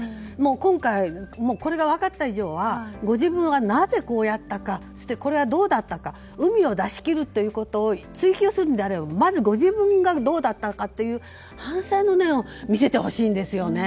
今回、これが分かった以上はご自分はなぜ、こうやったかそして、これはどうだったか膿を出し切るということを追及するのであればまずご自分がどうだったのかという反省の念を見せてほしいんですよね。